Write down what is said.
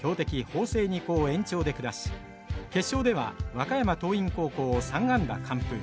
法政二高を延長で下し決勝では和歌山桐蔭高校を３安打完封。